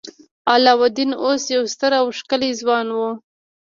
علاوالدین اوس یو ستر او ښکلی ځوان و.